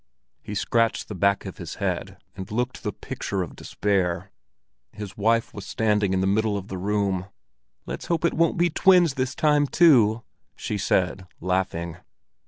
He scratched the back of his head, and looked the picture of despair. His wife was standing in the middle of the room. "Let's hope it won't be twins this time too," she said, laughing.